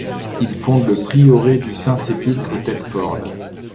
Il fonde le prieuré du Saint-Sépulcre de Thetford.